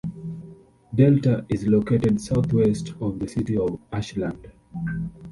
Delta is located southwest of the city of Ashland.